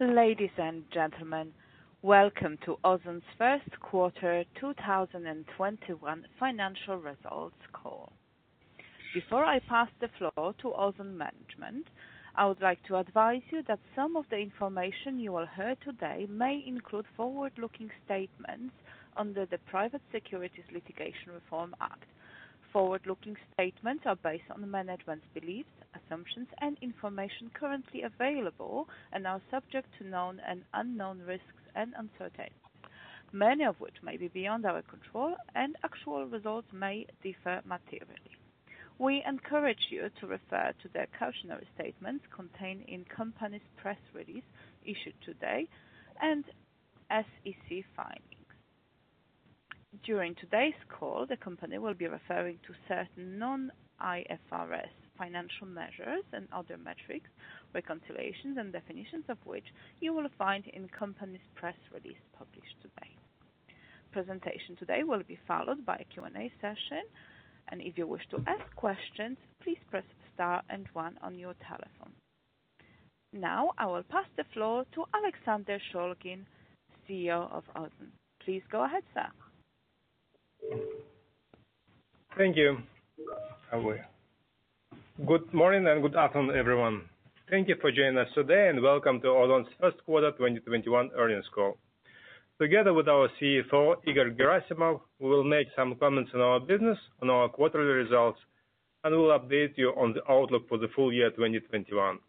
Ladies and gentlemen, welcome to Ozon's first quarter 2021 financial results call. Before I pass the floor to Ozon management, I would like to advise you that some of the information you will hear today may include forward-looking statements under the Private Securities Litigation Reform Act. Forward-looking statements are based on management's beliefs, assumptions, and information currently available, and are subject to known and unknown risks and uncertainties, many of which may be beyond our control, and actual results may differ materially. We encourage you to refer to the cautionary statement contained in company's press release issued today and SEC filings. During today's call, the company will be referring to certain non-IFRS financial measures and other metrics, reconciliations, and definitions of which you will find in company's press release published today. Presentation today will be followed by a Q&A session. If you wish to ask questions, please press star and one on your telephone. Now I will pass the floor to Alexander Shulgin, CEO of Ozon. Please go ahead, sir. Thank you. Good morning and good afternoon, everyone. Thank you for joining us today and welcome to Ozon's first quarter 2021 earnings call. Together with our CFO, Igor Gerasimov, we will make some comments on our business, on our quarterly results, and we will update you on the outlook for the full year 2021.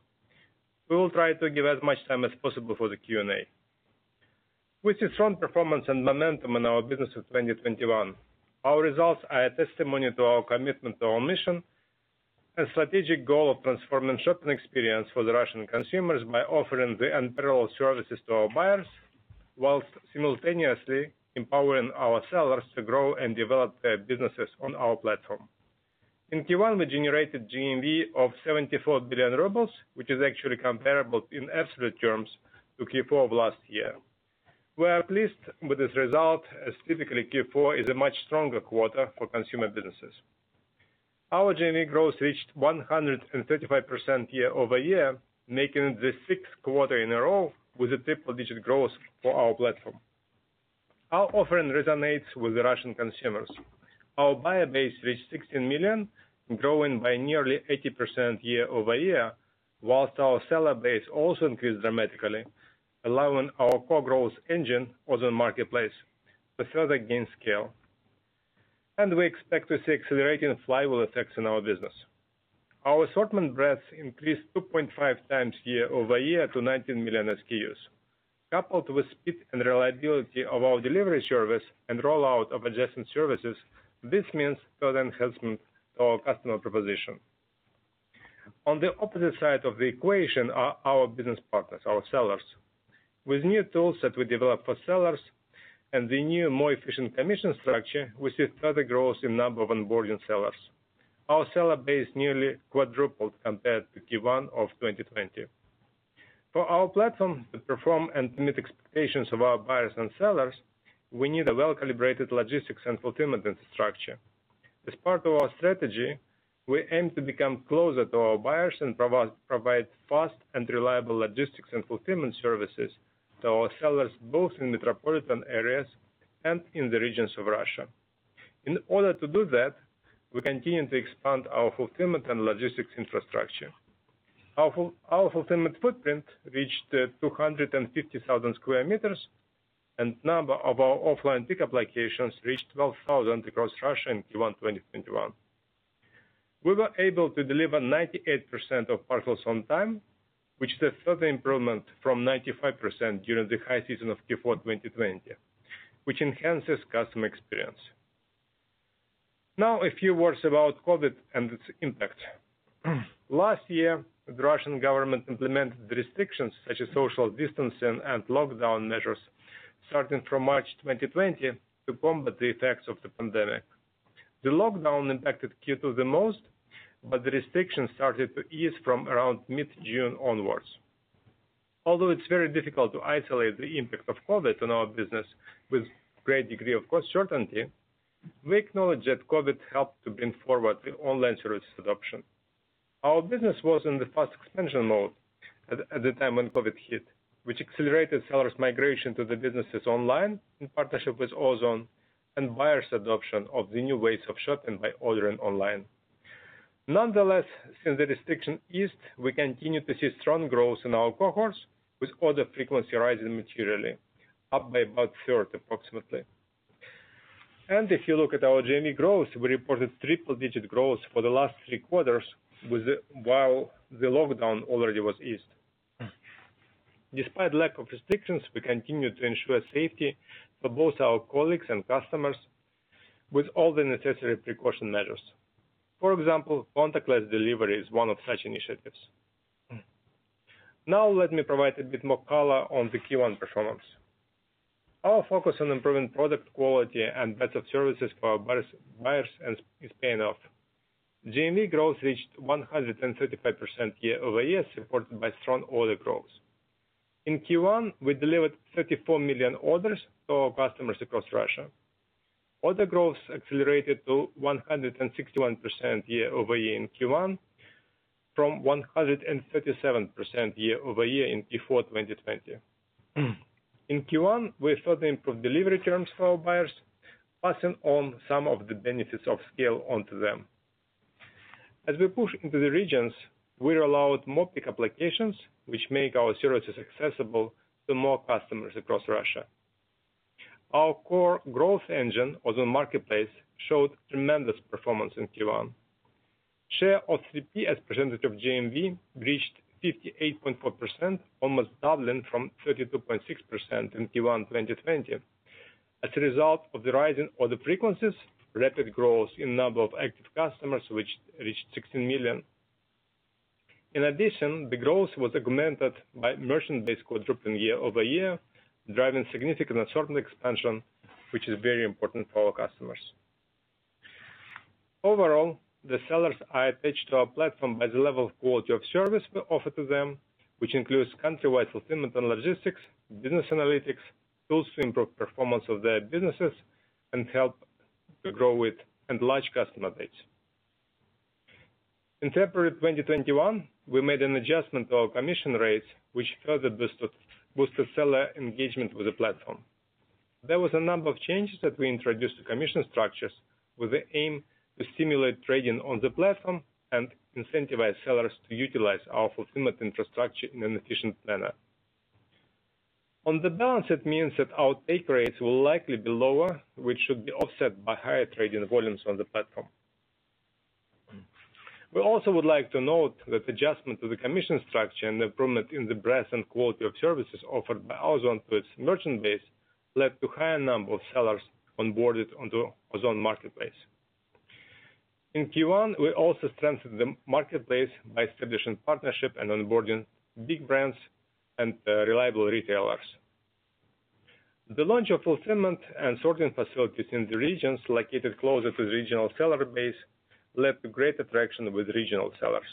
We will try to give as much time as possible for the Q&A. With the strong performance and momentum in our business in 2021, our results are a testimony to our commitment to our mission, a strategic goal of transforming shopping experience for the Russian consumers by offering the unparalleled services to our buyers, whilst simultaneously empowering our sellers to grow and develop their businesses on our platform. In Q1, we generated GMV of 74 billion rubles, which is actually comparable in absolute terms to Q4 of last year. We are pleased with this result, as typically Q4 is a much stronger quarter for consumer businesses. Our GMV growth reached 135% year-over-year, making it the sixth quarter in a row with a triple-digit growth for our platform. Our offering resonates with Russian consumers. Our buyer base reached 16 million, growing by nearly 80% year-over-year, whilst our seller base also increased dramatically, allowing our core growth engine, Ozon Marketplace, to further gain scale. We expect to see accelerating flywheel effects in our business. Our assortment breadth increased 2.5x year-over-year to 19 million SKUs. Coupled with speed and reliability of our delivery service and rollout of adjacent services, this means further enhancement to our customer proposition. On the opposite side of the equation are our business partners, our sellers. With new tools that we developed for sellers and the new more efficient commission structure, we see further growth in number of onboarding sellers. Our seller base nearly quadrupled compared to Q1 of 2020. For our platform to perform and meet expectations of our buyers and sellers, we need a well-calibrated logistics and fulfillment infrastructure. As part of our strategy, we aim to become closer to our buyers and provide fast and reliable logistics and fulfillment services to our sellers, both in metropolitan areas and in the regions of Russia. In order to do that, we continue to expand our fulfillment and logistics infrastructure. Our fulfillment footprint reached 250,000 sq m, and number of our offline pickup locations reached 12,000 across Russia in Q1 2021. We were able to deliver 98% of parcels on time, which is a further improvement from 95% during the high season of Q4 2020, which enhances customer experience. Now, a few words about COVID and its impact. Last year, the Russian government implemented restrictions such as social distancing and lockdown measures starting from March 2020 to combat the effects of the pandemic. The lockdown impacted Q2 the most, the restrictions started to ease from around mid-June onwards. It's very difficult to isolate the impact of COVID on our business with great degree of certainty, we acknowledge that COVID helped to bring forward the online services adoption. Our business was in the fast expansion mode at the time when COVID hit, which accelerated sellers' migration to the businesses online in partnership with Ozon, and buyers' adoption of the new ways of shopping by ordering online. Nonetheless, since the restriction eased, we continue to see strong growth in our cohorts with order frequency rising materially, up by about 30%, approximately. If you look at our GMV growth, we reported triple-digit growth for the last three quarters while the lockdown already was eased. Despite lack of restrictions, we continue to ensure safety for both our colleagues and customers with all the necessary precaution measures. For example, contactless delivery is one of such initiatives. Now let me provide a bit more color on the Q1 performance. Our focus on improving product quality and better services for buyers is paying off. GMV growth reached 135% year-over-year, supported by strong order growth. In Q1, we delivered 34 million orders to our customers across Russia. Order growth accelerated to 161% year-over-year in Q1 from 137% year-over-year in Q4 2020. In Q1, we further improved delivery terms for our buyers, passing on some of the benefits of scale on to them. As we push into the regions, we allowed more pickup applications, which make our services accessible to more customers across Russia. Our core growth engine, Ozon Marketplace, showed tremendous performance in Q1. Share of 3P as a percentage of GMV reached 58.4%, almost doubling from 32.6% in Q1 2020. As a result of the rise in order frequencies, rapid growth in number of active customers, which reached 16 million. In addition, the growth was augmented by merchant base growth year-over-year, driving significant assortment expansion, which is very important for our customers. Overall, the sellers are attached to our platform by the level of quality of service we offer to them, which includes countrywide fulfillment and logistics, business analytics, tools to improve performance of their businesses, and help to grow it, and large customer base. In February 2021, we made an adjustment to our commission rates, which further boosted seller engagement with the platform. There was a number of changes that we introduced to commission structures with the aim to stimulate trading on the platform and incentivize sellers to utilize our fulfillment infrastructure in an efficient manner. On the balance, it means that our take rates will likely be lower, which should be offset by higher trading volumes on the platform. We also would like to note that adjustment to the commission structure and improvement in the breadth and quality of services offered by Ozon to its merchant base led to higher number of sellers onboarded onto Ozon Marketplace. In Q1, we also strengthened the marketplace by establishing partnership and onboarding big brands and reliable retailers. The launch of fulfillment and sorting facilities in the regions located closer to the regional seller base led to great attraction with regional sellers.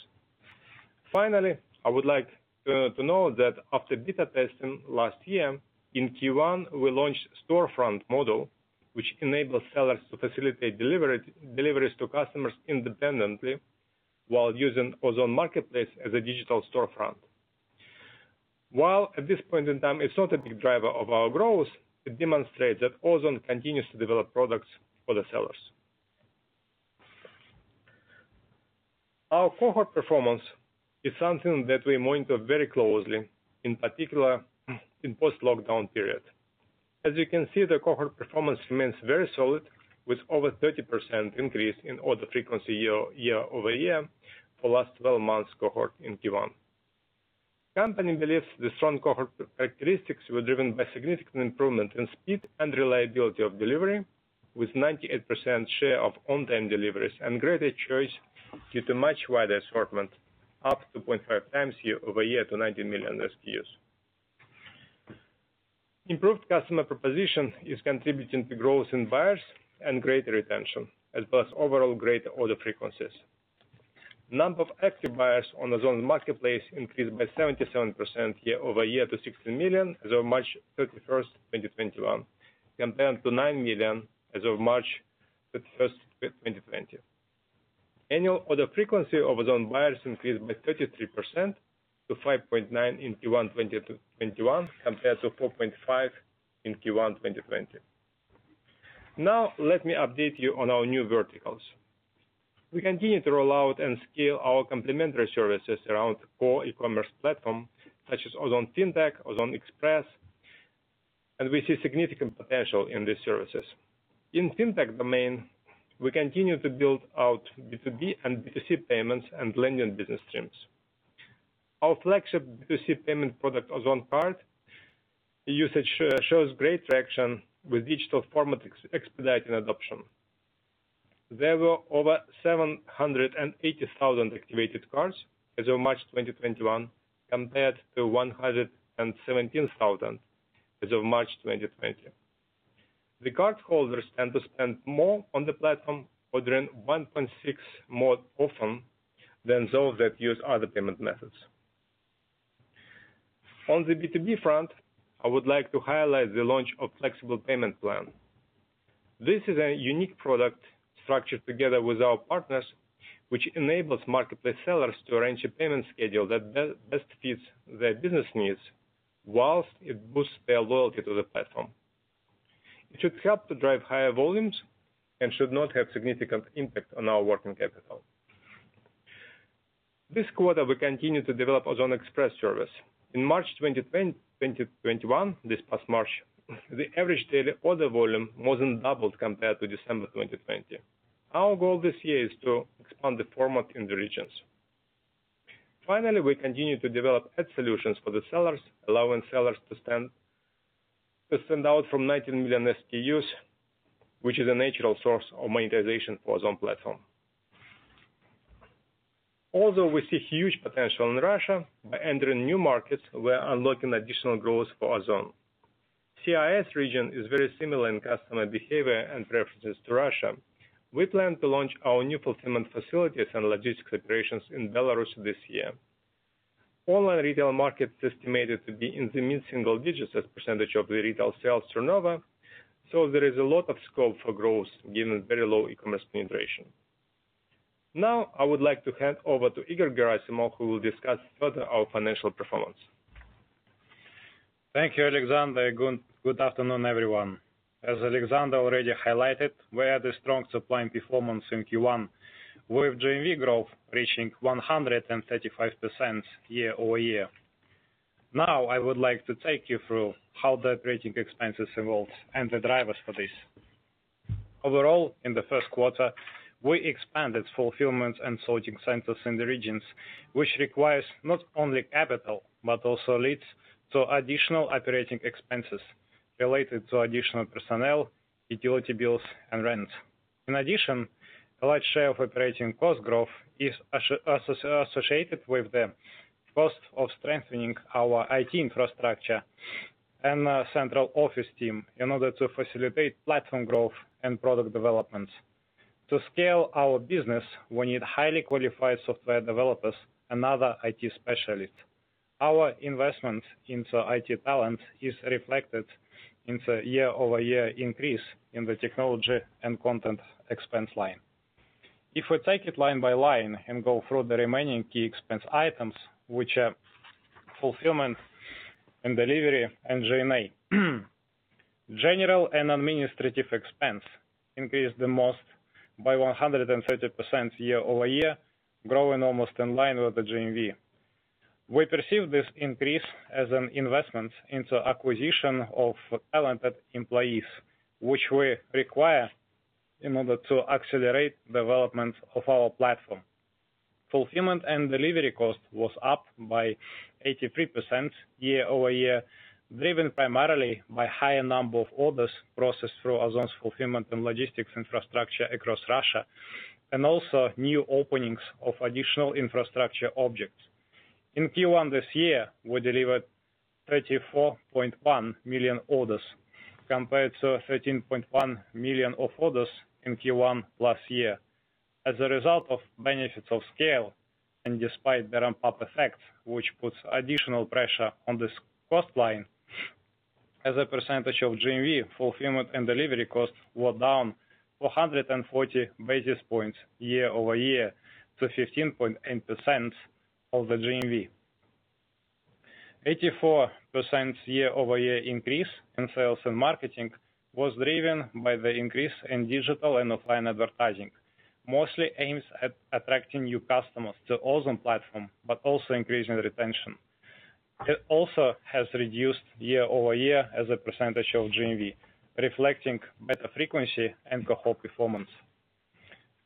Finally, I would like to note that after beta testing last year, in Q1, we launched storefront model, which enables sellers to facilitate deliveries to customers independently while using Ozon Marketplace as a digital storefront. While at this point in time, it's not a big driver of our growth, it demonstrates that Ozon continues to develop products for the sellers. Our cohort performance is something that we monitor very closely, in particular, in post-lockdown period. As you can see, the cohort performance remains very solid with over 30% increase in order frequency year-over-year for last 12 months cohort in Q1. Company believes the strong cohort characteristics were driven by significant improvement in speed and reliability of delivery, with 98% share of on-time deliveries and greater choice due to much wider assortment, up to 0.5x year-over-year to 19 million SKUs. Improved customer proposition is contributing to growth in buyers and greater retention, as well as overall greater order frequencies. Number of active buyers on Ozon Marketplace increased by 77% year-over-year to 16 million as of March 31st, 2021, compared to 9 million as of March 31st, 2020. Annual order frequency of Ozon buyers increased by 33% to 5.9 in Q1 2021, compared to 4.5 in Q1 2020. Now, let me update you on our new verticals. We continue to roll out and scale our complimentary services around core e-commerce platform such as Ozon FinTech, Ozon Express, and we see significant potential in these services. In FinTech domain, we continue to build out B2B and B2C payments and lending business streams. Our flagship B2C payment product, Ozon Card, usage shows great traction with digital format expediting adoption. There were over 780,000 activated cards as of March 2021, compared to 117,000 as of March 2020. The cardholders tend to spend 1.6 more often than those that use other payment methods. On the B2B front, I would like to highlight the launch of flexible payment plan. This is a unique product structured together with our partners, which enables marketplace sellers to arrange a payment schedule that best fits their business needs whilst it boosts their loyalty to the platform. It should help to drive higher volumes and should not have significant impact on our working capital. This quarter, we continued to develop Ozon Express service. In March 2021, this past March, the average daily order volume more than doubled compared to December 2020. Our goal this year is to expand the format in the regions. Finally, we continue to develop ad solutions for the sellers, allowing sellers to send out from 19 million SKUs, which is a natural source of monetization for Ozon platform. Although we see huge potential in Russia, by entering new markets, we are unlocking additional growth for Ozon. CIS region is very similar in customer behavior and preferences to Russia. We plan to launch our new fulfillment facilities and logistics operations in Belarus this year. Online retail market is estimated to be in the mid-single digits as percentage of the retail sales turnover, so there is a lot of scope for growth given very low e-commerce penetration. I would like to hand over to Igor Gerasimov, who will discuss further our financial performance. Thank you, Alexander. Good afternoon, everyone. As Alexander already highlighted, we had a strong topline performance in Q1, with GMV growth reaching 135% year-over-year. I would like to take you through how the operating expenses evolved and the drivers for this. Overall, in the first quarter, we expanded fulfillment and sorting centers in the regions, which requires not only capital, but also leads to additional operating expenses related to additional personnel, utility bills, and rent. In addition, a large share of operating cost growth is associated with the cost of strengthening our IT infrastructure and central office team in order to facilitate platform growth and product development. To scale our business, we need highly qualified software developers and other IT specialists. Our investment into IT talent is reflected in the year-over-year increase in the technology and content expense line. If we take it line by line and go through the remaining key expense items, which are fulfillment and delivery and G&A. General and administrative expense increased the most by 130% year-over-year, growing almost in line with the GMV. We perceive this increase as an investment into acquisition of talented employees, which we require in order to accelerate development of our platform. Fulfillment and delivery cost was up by 83% year-over-year, driven primarily by higher number of orders processed through Ozon's fulfillment and logistics infrastructure across Russia, and also new openings of additional infrastructure objects. In Q1 this year, we delivered 34.1 million orders compared to 13.1 million of orders in Q1 last year. As a result of benefits of scale, and despite the ramp-up effect, which puts additional pressure on this cost line, as a percentage of GMV, fulfillment and delivery costs were down 440 basis points year-over-year to 15.8% of the GMV. 84% year-over-year increase in sales and marketing was driven by the increase in digital and offline advertising, mostly aimed at attracting new customers to Ozon platform, but also increasing retention. It also has reduced year-over-year as a percentage of GMV, reflecting better frequency and cohort performance.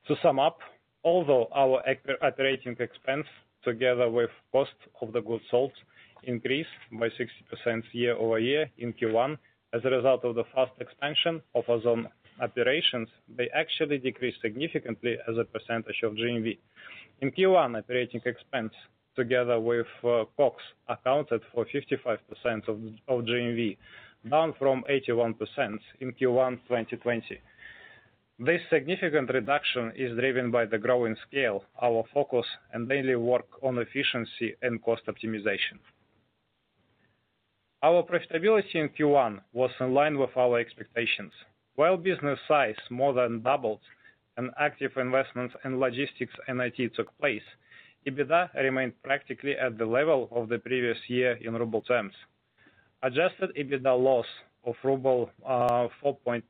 To sum up, although our operating expense together with cost of the goods sold increased by 60% year-over-year in Q1 as a result of the fast expansion of Ozon operations, they actually decreased significantly as a percentage of GMV. In Q1, operating expense together with COGS accounted for 55% of GMV, down from 81% in Q1 2020. This significant reduction is driven by the growing scale, our focus, and daily work on efficiency and cost optimization. Our profitability in Q1 was in line with our expectations. While business size more than doubled and active investments in logistics and IT took place, EBITDA remained practically at the level of the previous year in RUB terms. Adjusted EBITDA loss of ruble 4.9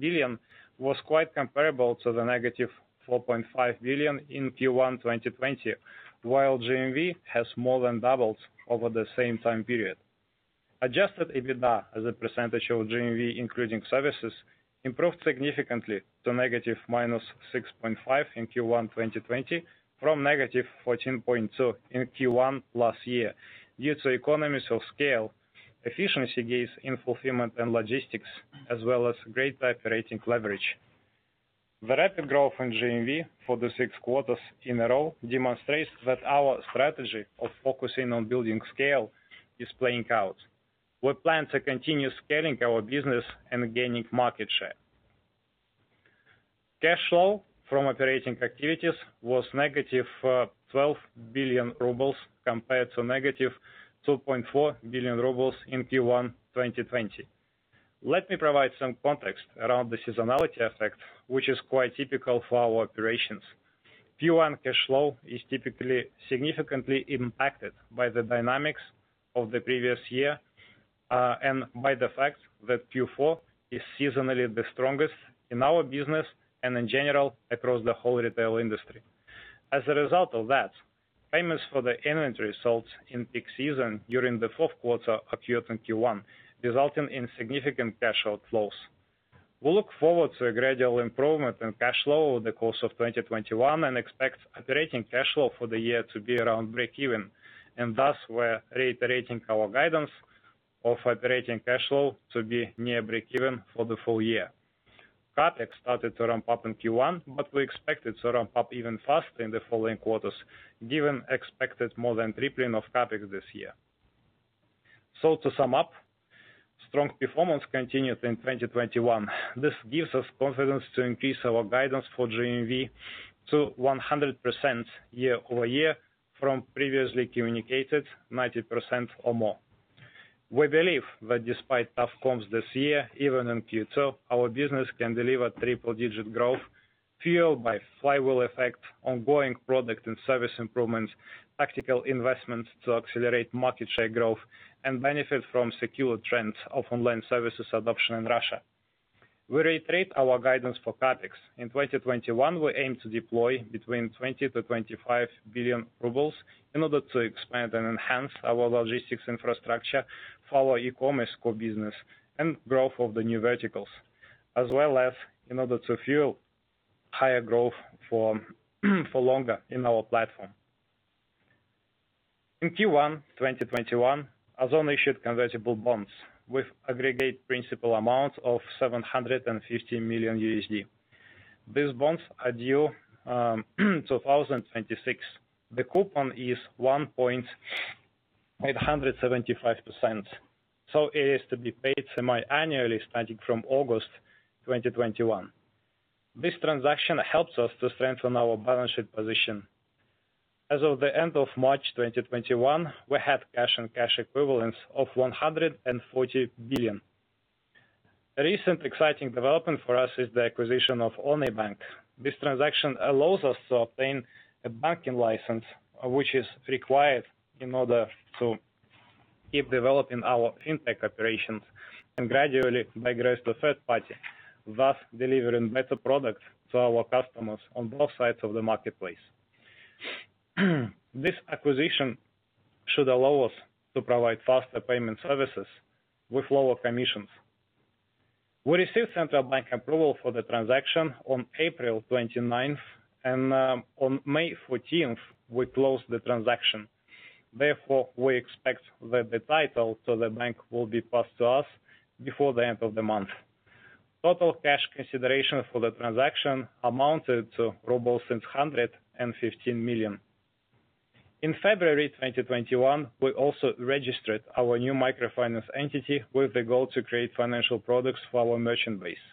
billion was quite comparable to the negative 4.5 billion in Q1 2020, while GMV has more than doubled over the same time period. Adjusted EBITDA as a percentage of GMV, including services, improved significantly to negative 6.5% in Q1 2020 from negative 14.2% in Q1 last year due to economies of scale, efficiency gains in fulfillment and logistics, as well as great operating leverage. The rapid growth in GMV for the six quarters in a row demonstrates that our strategy of focusing on building scale is playing out. We plan to continue scaling our business and gaining market share. Cash flow from operating activities was negative 12 billion rubles compared to negative 2.4 billion rubles in Q1 2020. Let me provide some context around the seasonality effect, which is quite typical for our operations. Q1 cash flow is typically significantly impacted by the dynamics of the previous year, and by the fact that Q4 is seasonally the strongest in our business and in general across the whole retail industry. As a result of that, payments for the inventory sold in peak season during the fourth quarter appear in Q1, resulting in significant cash outflows. We look forward to a gradual improvement in cash flow over the course of 2021 and expect operating cash flow for the year to be around breakeven, and thus we're reiterating our guidance of operating cash flow to be near breakeven for the full year. CapEx started to ramp up in Q1, but we expect it to ramp up even faster in the following quarters, given expected more than tripling of CapEx this year. To sum up, strong performance continued in 2021. This gives us confidence to increase our guidance for GMV to 100% year-over-year from previously communicated 90% or more. We believe that despite tough comps this year, even in Q2, our business can deliver triple digit growth fueled by flywheel effect, ongoing product and service improvements, tactical investments to accelerate market share growth, and benefit from secular trends of online services adoption in Russia. We reiterate our guidance for CapEx. In 2021, we aim to deploy between 20 billion-25 billion rubles in order to expand and enhance our logistics infrastructure for our e-commerce core business and growth of the new verticals, as well as in order to fuel higher growth for longer in our platform. In Q1 2021, Ozon issued convertible bonds with aggregate principal amount of $750 million. These bonds are due 2026. The coupon is 1.875%, so it is to be paid semi-annually starting from August 2021. This transaction helps us to strengthen our balance sheet position. As of the end of March 2021, we had cash and cash equivalents of 140 billion. A recent exciting development for us is the acquisition of Oney Bank. This transaction allows us to obtain a banking license, which is required in order to keep developing our FinTech operations and gradually migrate to third party, thus delivering better products to our customers on both sides of the marketplace. This acquisition should allow us to provide faster payment services with lower commissions. We received Central Bank approval for the transaction on April 29th, and on May 14th, we closed the transaction. We expect that the title to the bank will be passed to us before the end of the month. Total cash consideration for the transaction amounted to 615 million rubles. In February 2021, we also registered our new microfinance entity with the goal to create financial products for our merchant base.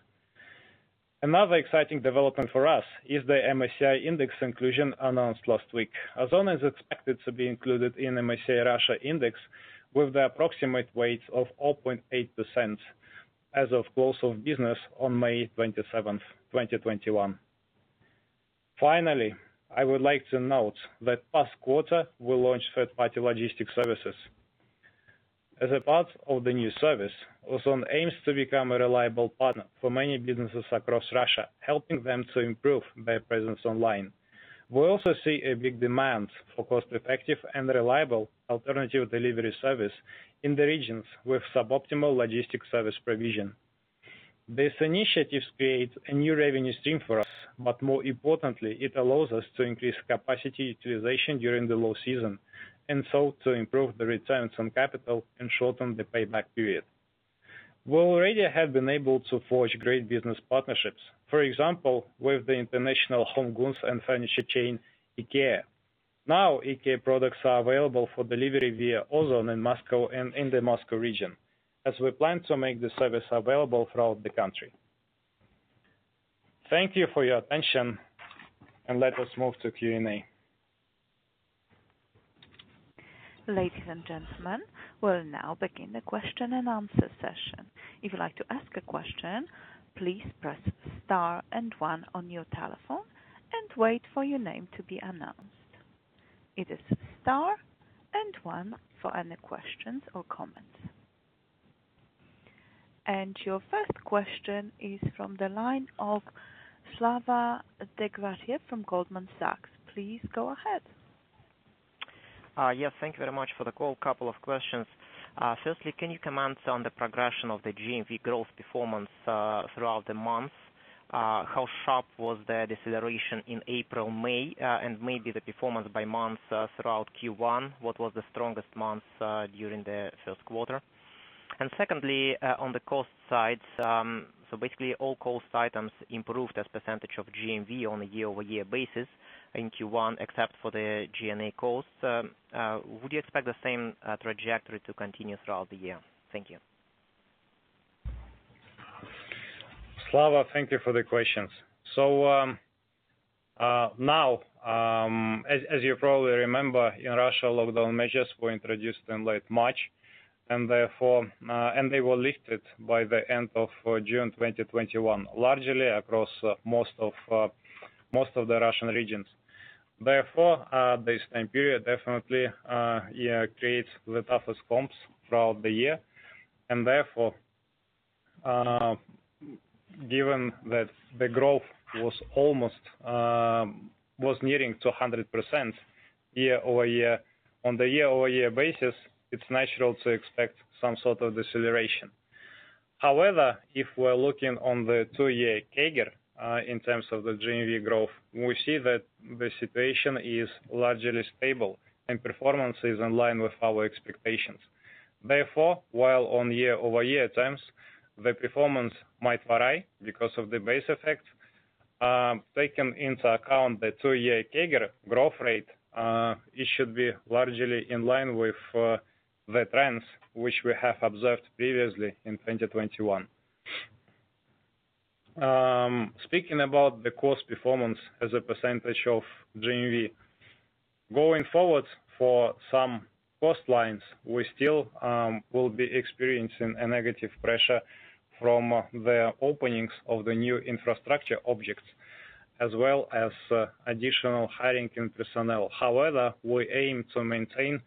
Another exciting development for us is the MSCI index inclusion announced last week. Ozon is expected to be included in MSCI Russia index with the approximate weight of 0.8% as of close of business on May 27th, 2021. Finally, I would like to note that past quarter, we launched third-party logistics services. As a part of the new service, Ozon aims to become a reliable partner for many businesses across Russia, helping them to improve their presence online. We also see a big demand for cost-effective and reliable alternative delivery service in the regions with suboptimal logistics service provision. This initiative creates a new revenue stream for us, but more importantly, it allows us to increase capacity utilization during the low season, and so to improve the returns on capital and shorten the payback period. We already have been able to forge great business partnerships, for example, with the international home goods and furniture chain, IKEA. IKEA products are available for delivery via Ozon in Moscow and in the Moscow region, as we plan to make the service available throughout the country. Thank you for your attention, and let us move to Q&A. Ladies and gentlemen, we'll now begin the question and answer session. If you'd like to ask a question, please press star and one on your telephone and wait for your name to be announced. It is star and one for any questions or comments. Your first question is from the line of Vyacheslav Degtyarev from Goldman Sachs. Please go ahead. Yes, thank you very much for the call. Couple of questions. Firstly, can you comment on the progression of the GMV growth performance throughout the month? How sharp was the deceleration in April, May, and maybe the performance by month throughout Q1? What was the strongest month during the first quarter? Secondly, on the cost side, so basically all cost items improved as % of GMV on a year-over-year basis in Q1, except for the G&A cost. Would you expect the same trajectory to continue throughout the year? Thank you. Slava, thank you for the questions. Now, as you probably remember, in Russia, lockdown measures were introduced in late March, and they were lifted by the end of June 2021, largely across most of the Russian regions. Therefore, this time period definitely creates the toughest comps throughout the year, and therefore, given that the growth was nearing 200% year-over-year, on the year-over-year basis, it's natural to expect some sort of deceleration. However, if we're looking on the two year CAGR, in terms of the GMV growth, we see that the situation is largely stable, and performance is in line with our expectations. Therefore, while on year-over-year terms, the performance might vary because of the base effect, taking into account the two-year CAGR growth rate, it should be largely in line with the trends which we have observed previously in 2021. Speaking about the cost performance as a percentage of GMV, going forward for some cost lines, we still will be experiencing a negative pressure from the openings of the new infrastructure objects, as well as additional hiring in personnel. However, we aim to maintain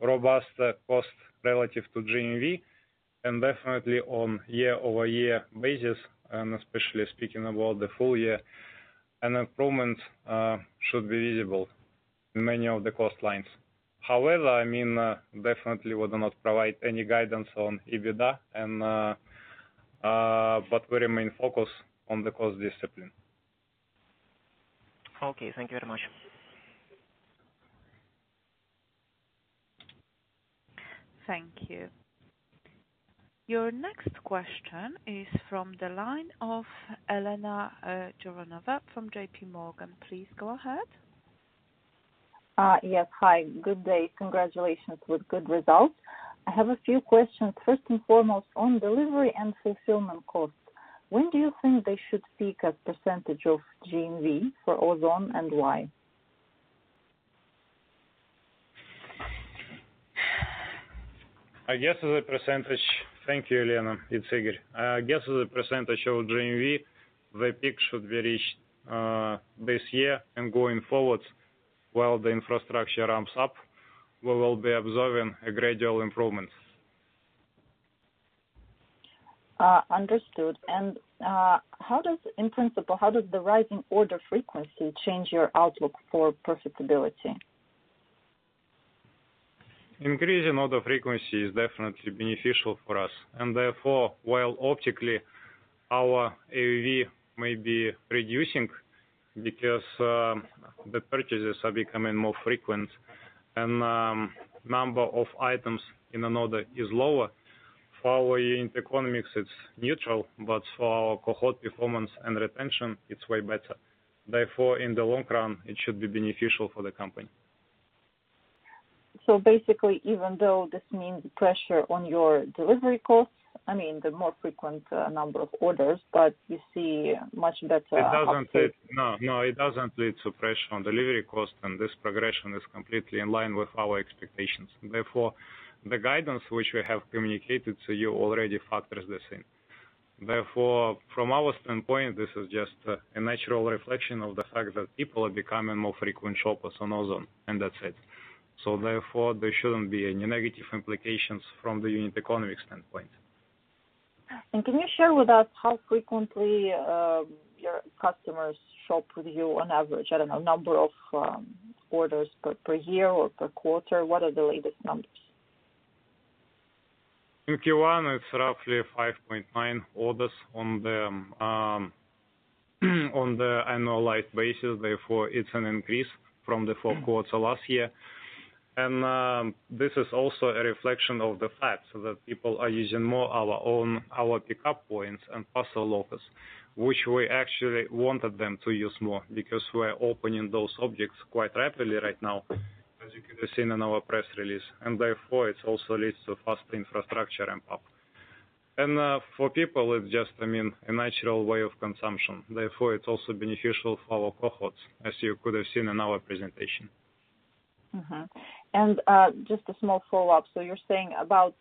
robust cost relative to GMV, and definitely on year-over-year basis, and especially speaking about the full year, an improvement should be visible in many of the cost lines. However, definitely we do not provide any guidance on EBITDA, but we remain focused on the cost discipline. Okay. Thank you very much. Thank you. Your next question is from the line of Elena Kovaleva from JPMorgan. Please go ahead. Yes. Hi. Good day. Congratulations with good results. I have a few questions. First and foremost, on delivery and fulfillment costs, when do you think they should peak as a percentage of GMV for Ozon, and why? Thank you, Elena. It's Igor. I guess as a percentage of GMV, the peak should be reached this year. Going forward, while the infrastructure ramps up, we will be observing a gradual improvement. Understood. In principle, how does the rise in order frequency change your outlook for profitability? Increase in order frequency is definitely beneficial for us. Therefore, while optically our AOV may be reducing because the purchases are becoming more frequent and number of items in an order is lower. For our unit economics, it's neutral, but for our cohort performance and retention, it's way better. In the long run, it should be beneficial for the company. Basically, even though this means pressure on your delivery costs, the more frequent number of orders, but you see much better output. No, it doesn't lead to pressure on delivery cost, and this progression is completely in line with our expectations. The guidance which we have communicated to you already factors this in. From our standpoint, this is just a natural reflection of the fact that people are becoming more frequent shoppers on Ozon, and that's it. There shouldn't be any negative implications from the unit economics standpoint. Can you share with us how frequently your customers shop with you on average? I don't know, number of orders per year or per quarter, what are the latest numbers? In Q1, it's roughly 5.9 orders on the annualized basis. It's an increase from the fourth quarter last year. This is also a reflection of the fact that people are using more our pick-up points and parcel lockers, which we actually wanted them to use more because we're opening those objects quite rapidly right now, as you could have seen in our press release. It also leads to faster infrastructure ramp-up. For people, it's just a natural way of consumption. It's also beneficial for our cohorts, as you could have seen in our presentation. Mm-hmm. Just a small follow-up. You're saying about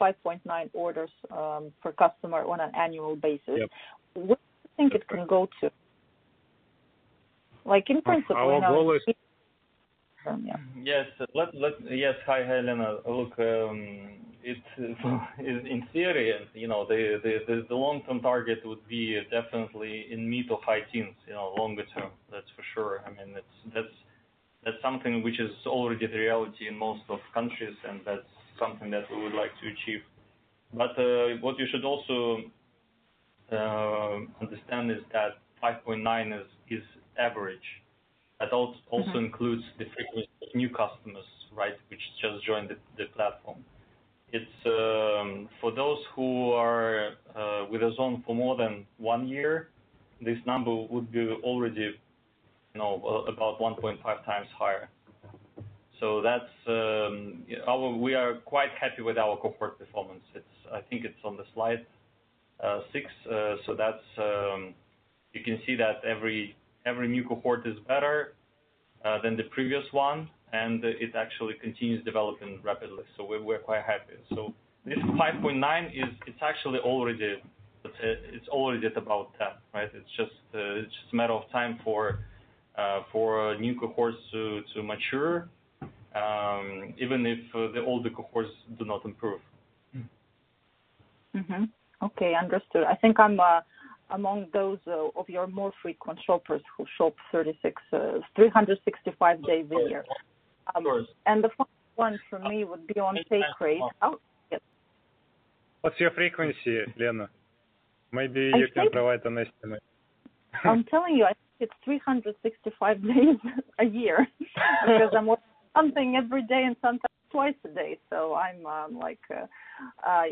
5.9 orders per customer on an annual basis. Yep. What do you think it can go to? Yes. Hi, Elena. Look, in theory, the long-term target would be definitely in mid of high teens, longer term, that's for sure. That's something which is already the reality in most of countries, and that's something that we would like to achieve. What you should also understand is that 5.9 is average. That also includes the frequency of new customers, right? Which just joined the platform. For those who are with Ozon for more than one year, this number would be already about 1.5x higher. We are quite happy with our cohort performance. I think it's on the slide six. You can see that every new cohort is better than the previous one, and it actually continues developing rapidly. We're quite happy. This 5.9, it's actually already at about that, right? It's just a matter of time for a new cohort to mature, even if the older cohorts do not improve. Mm-hmm. Okay. Understood. I think I'm among those of your more frequent shoppers who shop 365 days a year. Of course. The follow-up one for me would be on [Paybury. What's your frequency, Elena? Maybe you can provide anonymously. I'm telling you, I skip 365 days a year because I'm with something every day and sometimes twice a day.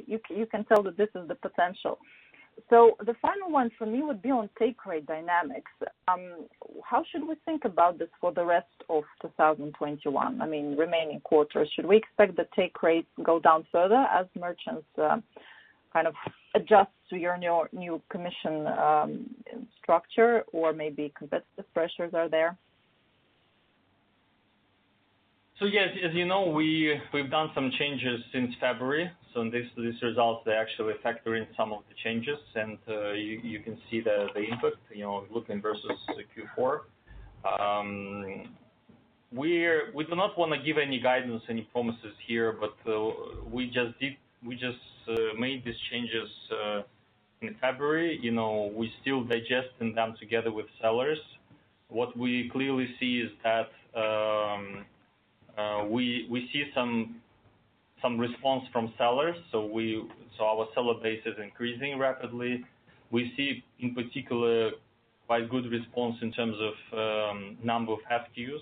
You can tell that this is the potential. The final one for me would be on take rate dynamics. How should we think about this for the rest of 2021, remaining quarters? Should we expect the take rates to go down further as merchants kind of adjust to your new commission structure or maybe competitive pressures are there? Yes, as you know, we've done some changes since February. These results, they actually factor in some of the changes, and you can see the input, looking versus the Q4. We do not want to give any guidance, any promises here, but we just made these changes in February. We're still digesting them together with sellers. What we clearly see is that we see some response from sellers. Our seller base is increasing rapidly. We see, in particular, quite good response in terms of number of active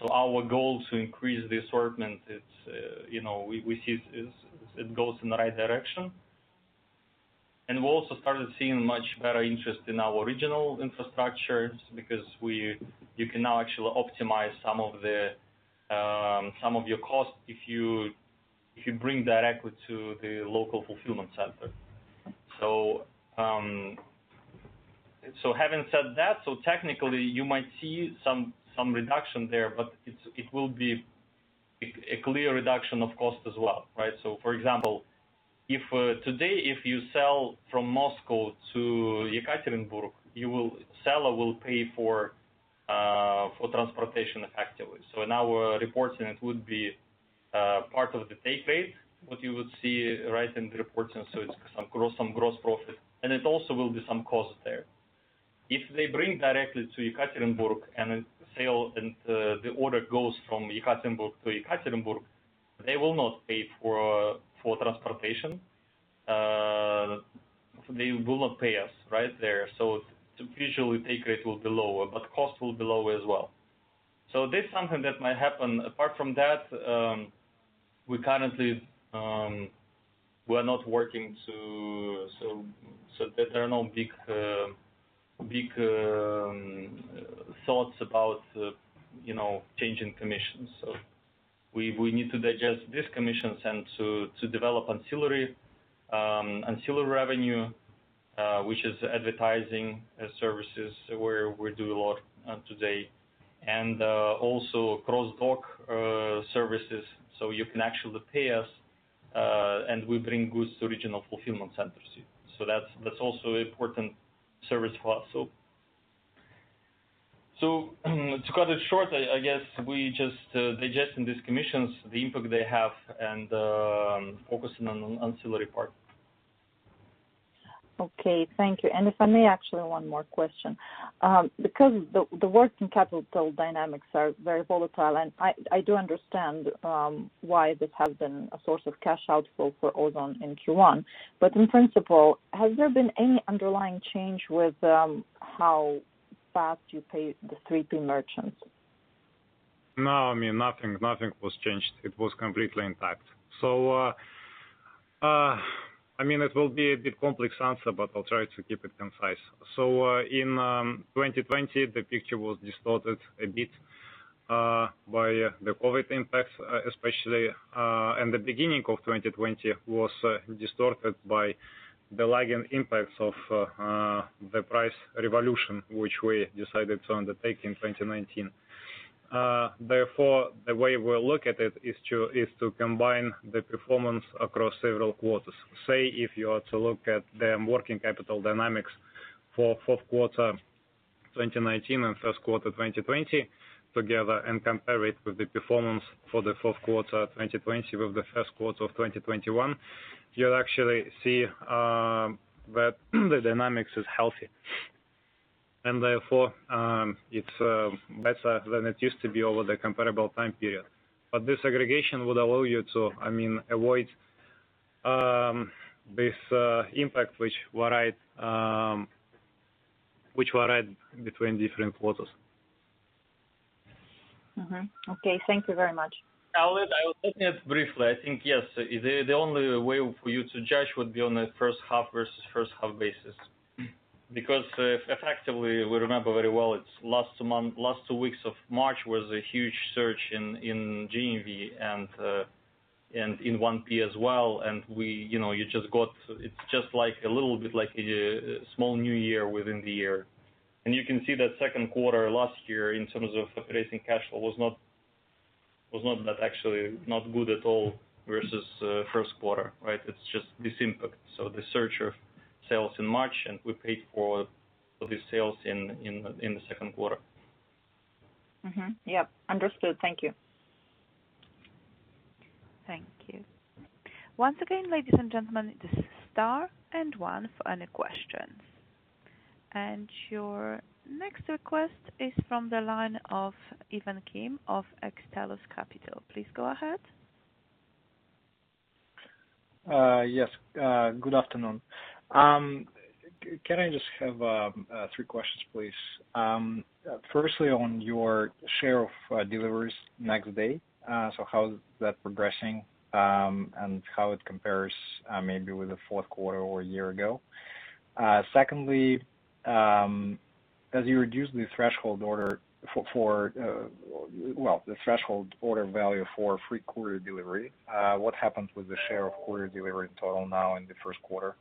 users. Our goal to increase the assortment, it goes in the right direction. We've also started seeing much better interest in our original infrastructure because you can now actually optimize some of your costs if you bring directly to the local fulfillment center. Having said that, technically you might see some reduction there, but it will be a clear reduction of cost as well, right. For example, if today you sell from Moscow to Yekaterinburg, seller will pay for transportation effectively. In our reporting, it would be part of the take rate, what you would see right in the reporting. It's some gross profit, and it also will be some cost there. If they bring directly to Yekaterinburg and the order goes from Yekaterinburg to Yekaterinburg, they will not pay for transportation. They will not pay us right there. Usually take rate will be lower, but cost will be lower as well. This is something that might happen. Apart from that, we're not working to there are no big thoughts about changing commissions. We need to digest these commissions and to develop ancillary revenue, which is advertising services where we do a lot today, and also cross-dock services. You can actually pay us, and we bring goods to regional fulfillment centers. That's also important service for us. To cut it short, I guess we're just digesting these commissions, the impact they have, and focusing on ancillary part. Okay, thank you. If I may, actually, one more question. The working capital dynamics are very volatile, and I do understand why this has been a source of cash outflow for Ozon in Q1. In principle, has there been any underlying change with how fast you pay the 3P merchants? No, nothing was changed. It was completely intact. It will be a bit complex answer, but I'll try to keep it concise. In 2020, the picture was distorted a bit by the COVID impacts especially, and the beginning of 2020 was distorted by the lagging impacts of the price revolution, which we decided to undertake in 2019. Therefore, the way we look at it is to combine the performance across several quarters. Say, if you are to look at the working capital dynamics for fourth quarter 2019 and first quarter 2020 together and compare it with the performance for the fourth quarter 2020 with the first quarter of 2021, you'll actually see that the dynamics is healthy. Therefore, it's better than it used to be over the comparable time period. This aggregation would allow you to avoid this impact which varied between different quarters. Mm-hmm. Okay. Thank you very much. I will look at it briefly. I think, yes, the only way for you to judge would be on a first half versus first half basis. Effectively, we remember very well, last two weeks of March was a huge surge in GMV and in 1P as well, and it's just a little bit like a small new year within the year. You can see that second quarter last year, in terms of operating cash flow, was not good at all versus first quarter, right? It's just this impact. The surge of sales in March, we paid for these sales in the second quarter. Yep. Understood. Thank you. Thank you. Once again, ladies and gentlemen, this is star one for any questions. Your next request is from the line of Ivan Kim of Xtellus Capital. Please go ahead. Yes. Good afternoon. Can I just have three questions, please? Firstly, on your share of deliveries next day, so how is that progressing, and how it compares maybe with the fourth quarter or a year ago. Secondly, as you reduce the threshold order value for free courier delivery, what happens with the share of courier delivery in total now in the first quarter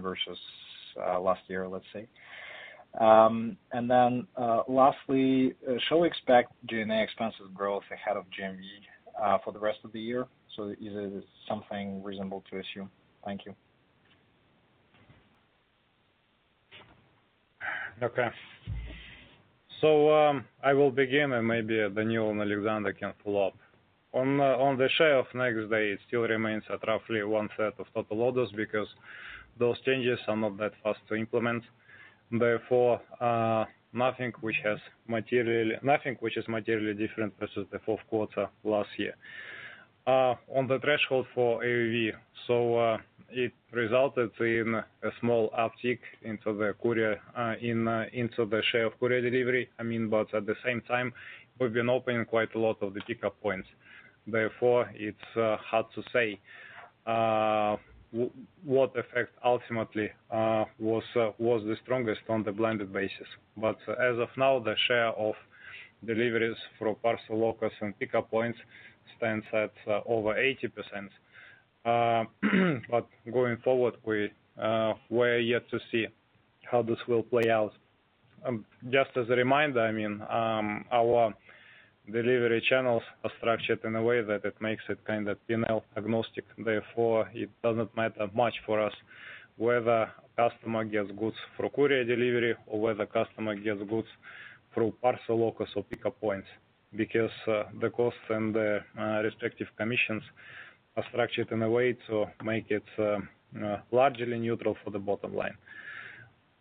versus last year, let's say? Lastly, shall we expect G&A expensive growth ahead of GMV for the rest of the year? Is it something reasonable to assume? Thank you. I will begin, and maybe Daniil and Alexander can follow up. On the share of next day, it still remains at roughly 1/3 of total orders because those changes are not that fast to implement. Therefore, nothing which is materially different versus the fourth quarter last year. On the threshold for AOV. It resulted in a small uptick into the share of courier delivery. At the same time, we've been opening quite a lot of the pickup points. Therefore, it's hard to say what effect ultimately was the strongest on the blended basis. As of now, the share of deliveries through parcel lockers and pickup points stands at over 80%. Going forward, we are yet to see how this will play out. Just as a reminder, our delivery channels are structured in a way that it makes it kind of P&L agnostic. Therefore, it doesn't matter that much for us whether a customer gets goods through courier delivery or whether a customer gets goods through parcel lockers or pickup points. Because the cost and the respective commissions are structured in a way to make it largely neutral for the bottom line.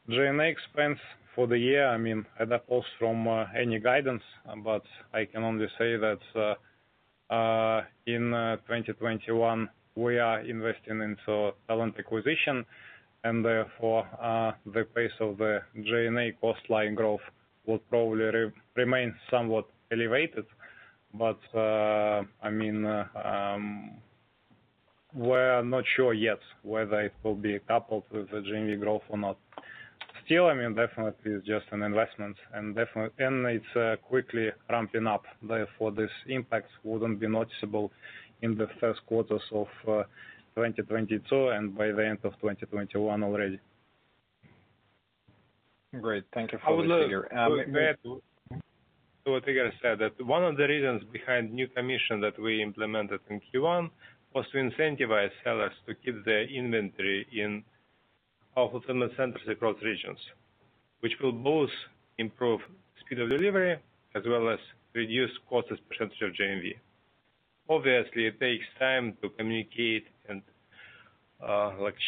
G&A expense for the year, I mean, I defer from any guidance, but I can only say that in 2021, we are investing into talent acquisition and therefore, the pace of the G&A cost line growth will probably remain somewhat elevated. We're not sure yet whether it will be coupled with the GMV growth or not. Still, definitely it's just an investment and it's quickly ramping up. Therefore, this impact wouldn't be noticeable in the first quarters of 2022 and by the end of 2021 already. Great. Thank you for this. I will add to what Igor said, that one of the reasons behind new commission that we implemented in Q1 was to incentivize sellers to keep their inventory in our fulfillment centers across regions. Which will both improve speed of delivery as well as reduce cost as a percentage of GMV. Obviously, it takes time to communicate and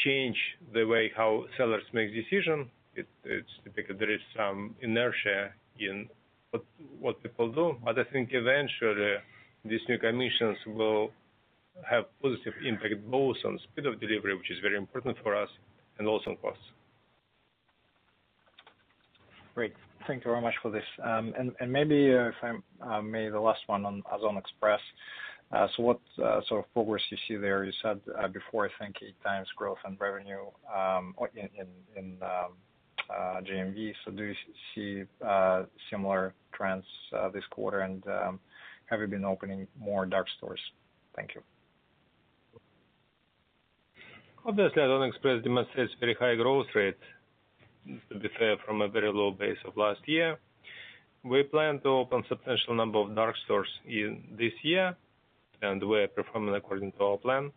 change the way how sellers make decisions. There is some inertia in what people do. I think eventually these new commissions will have positive impact both on speed of delivery, which is very important for us, and also cost. Great. Thank you very much for this. Maybe if I may, the last one on Ozon Express. What sort of progress you see there? You said before, I think, eight times growth in revenue in GMV. Do you see similar trends this quarter? Have you been opening more dark stores? Thank you. Obviously, Ozon Express demonstrates very high growth rate. We started from a very low base of last year. We plan to open substantial number of dark stores in this year, and we are performing according to our plan.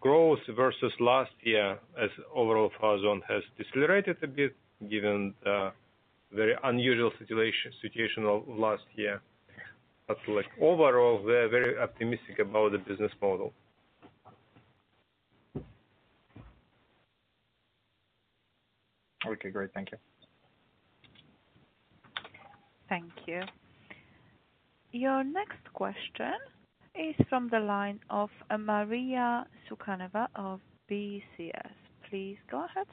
Growth versus last year as overall for Ozon has decelerated a bit, given the very unusual situation of last year. Overall, we are very optimistic about the business model. Okay, great. Thank you. Thank you. Your next question is from the line of Maria Sukhanova of BCS. Please go ahead.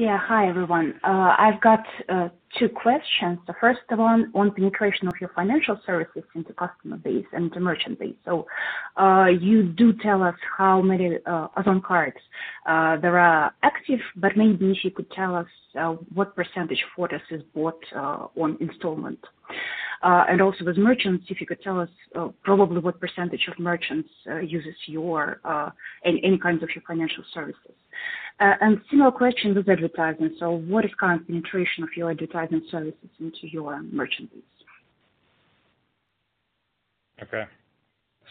Yeah. Hi, everyone. I've got two questions. The first one on penetration of your financial services into customer base and the merchant base. You do tell us how many Ozon Cards there are active, but maybe if you could tell us what percentage for this is bought on installment. Also with merchants, if you could tell us probably what percentage of merchants uses any kind of your financial services. Similar question with the advertisement. What is current penetration of your advertisement services into your merchants?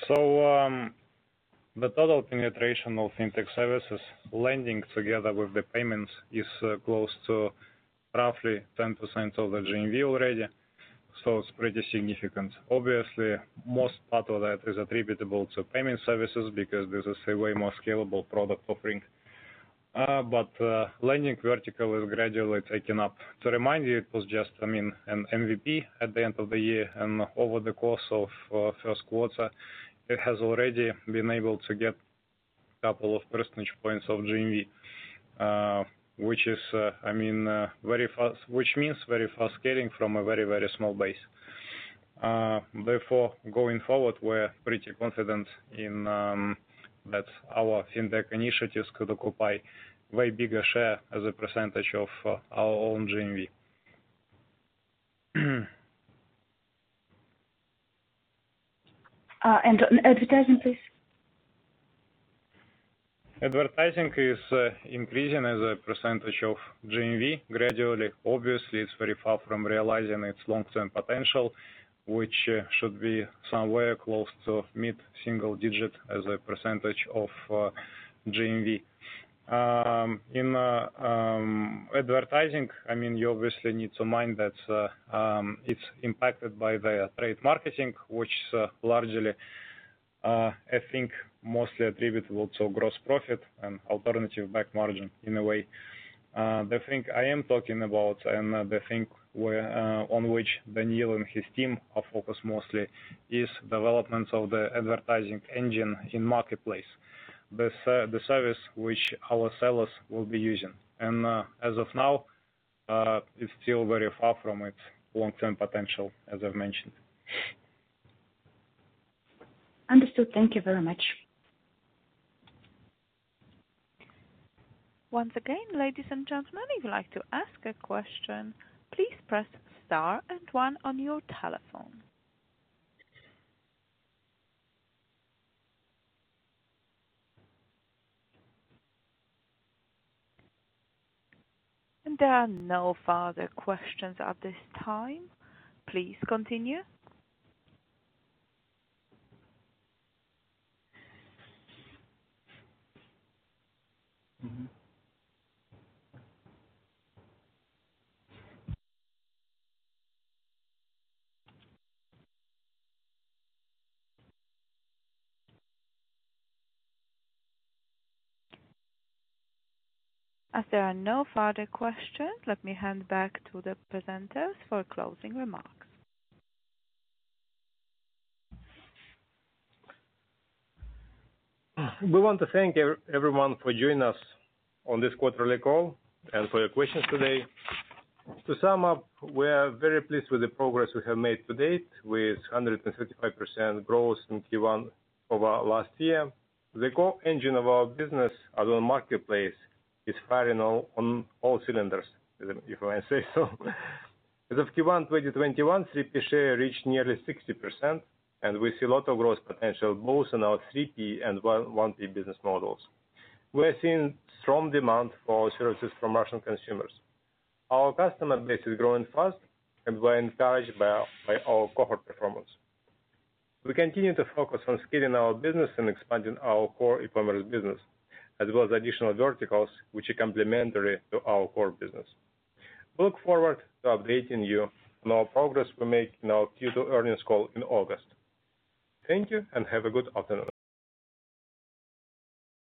The total penetration of fintech services, lending together with the payments, is close to roughly 10% of the GMV already. It's pretty significant. Obviously, most part of that is attributable to payment services because this is a way more scalable product offering. Lending vertical is gradually taking up. To remind you, it was just an MVP at the end of the year. Over the course of first quarter, it has already been able to get a couple of percentage points of GMV which means very fast scaling from a very small base. Going forward, we're pretty confident that our fintech initiatives could occupy way bigger share as a percentage of our own GMV. Advertising, please. Advertising is increasing as a % of GMV gradually. Obviously, it's very far from realizing its long-term potential, which should be somewhere close to mid-single digit as a percentage of GMV. In advertising, you obviously need to mind that it's impacted by the trade marketing, which largely, I think, mostly attributable to gross profit and alternative bank margin in a way. The thing I am talking about and the thing on which Daniil and his team are focused mostly is development of the advertising engine in marketplace, the service which our sellers will be using. As of now, it's still very far from its long-term potential, as I've mentioned. Understood. Thank you very much. Once again, ladies and gentlemen, if you'd like to ask a question, please press star and one on your telephone. There are no further questions at this time. Please continue. As there are no further questions, let me hand back to the presenters for closing remarks. We want to thank everyone for joining us on this quarterly call and for your questions today. To sum up, we are very pleased with the progress we have made to date with 155% growth in Q1 over last year. The core engine of our business, Ozon Marketplace, is firing on all cylinders, if I may say so. As of Q1 2021, 3P share reached nearly 60%, and we see a lot of growth potential both in our 3P and 1P business models. We are seeing strong demand for our services from merchant consumers. Our customer base is growing fast, and we're encouraged by our cohort performance. We continue to focus on scaling our business and expanding our core e-commerce business, as well as additional verticals which are complementary to our core business. Look forward to updating you on our progress we make in our Q2 earnings call in August. Thank you, and have a good afternoon.